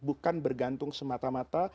bukan bergantung semata mata